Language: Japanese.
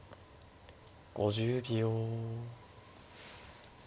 ５０秒。